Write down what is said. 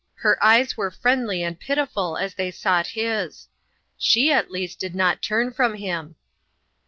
Her eyes were friend ly and pitiful as they sought his. She, at least, did not turn from him